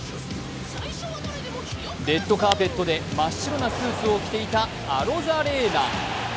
レッドカーペットで真っ白なスーツを着ていたアロザレーナ。